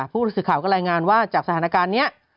ผู้รู้สึกข่าวก็แรงงานว่าจากสถานการณ์นี้